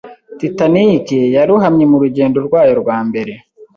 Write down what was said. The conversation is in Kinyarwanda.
Titanic yarohamye mu rugendo rwayo rwa mbere.